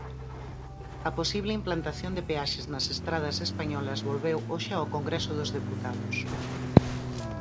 A posible implantación de peaxes nas estradas españolas volveu hoxe ao Congreso dos Deputados.